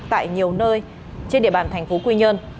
tại nhiều nơi trên địa bàn tp quy nhơn